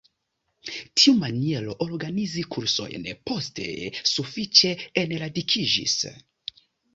Tiu maniero organizi kursojn poste sufiĉe enradikiĝis.